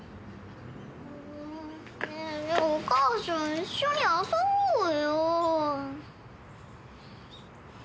ねえねえお母さん一緒に遊ぼうよ。